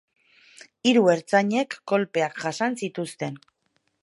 Hiru ertzainek kolpeak jasan zituzten.